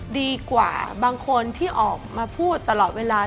ดีกว่าบางคนที่ออกมาพูดตลอดเวลา